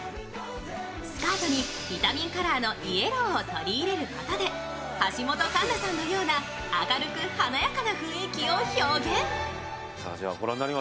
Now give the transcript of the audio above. スカートにビタミンカラーのイエローを取り入れることで橋本環奈さんのような明るく華やかな雰囲気を表現。